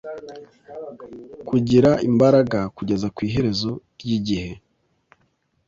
kugira imbaraga kugeza ku iherezo ry'igihe